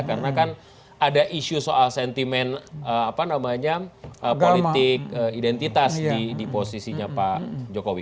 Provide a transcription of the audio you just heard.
karena kan ada isu soal sentimen apa namanya politik identitas di posisinya pak jokowi